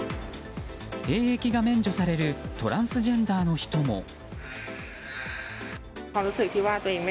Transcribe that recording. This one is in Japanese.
兵役が免除されるトランスジェンダーの人も。